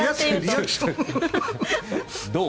どう？